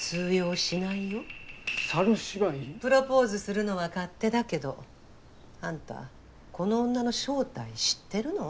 プロポーズするのは勝手だけどあんたこの女の正体知ってるの？